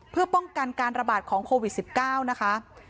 เพื่อป้องกันการระบาดของโควิด๑๙นะคะ